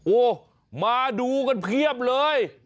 โอ้โหมาดูกันเพียบเลย